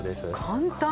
簡単！